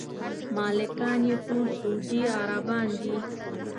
مالکان یې ټول سعودي عربان دي.